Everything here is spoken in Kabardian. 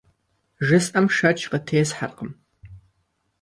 Жысӏэм шэч къытесхьэркъым.